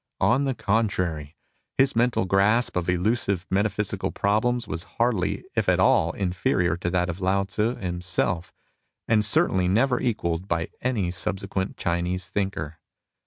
On the contrary, his mental grasp of elusive metaphysical problems was hardly if at all inferior to that of Lao Tzu himself, and certainly never equalled by any subsequent Chinese thinker.